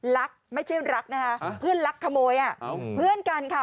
รักไม่ใช่รักนะคะเพื่อนรักขโมยอ่ะเพื่อนกันค่ะ